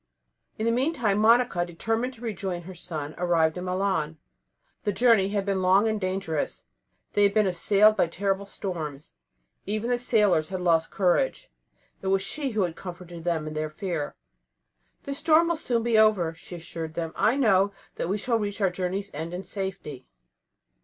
In the meantime Monica, determined to rejoin her son, arrived in Milan. The journey had been long and dangerous; they had been assailed by terrible storms; even the sailors had lost courage. It was she who had comforted them in their fear. "The storm will soon be over," she assured them; "I know that we shall reach our journey's end in safety."